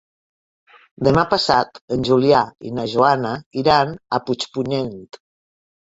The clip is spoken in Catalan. Demà passat en Julià i na Joana iran a Puigpunyent.